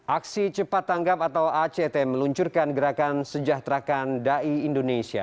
aksi cepat tanggap atau act meluncurkan gerakan sejahterakan dai indonesia